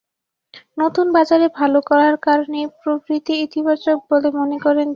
নতুন বাজারে ভালো করার কারণেই প্রবৃদ্ধি ইতিবাচক বলে মনে করেন তিনি।